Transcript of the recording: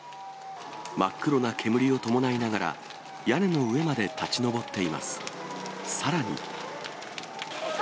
真っ黒な煙を伴いながら、屋根の上まで立ち上っています。